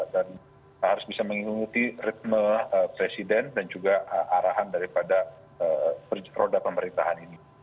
dan harus bisa mengikuti ritme presiden dan juga arahan daripada roda pemerintahan ini